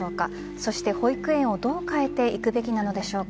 そして保育園をどう変えていくべきなのでしょうか。